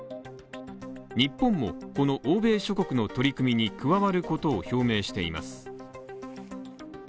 日本もこの欧米諸国の取り組みに加わることを表明しています。